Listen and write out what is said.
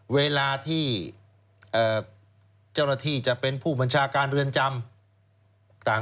เวลาที่เจ้าหน้าที่จะเป็นผู้บัญชาการเรือนจำต่าง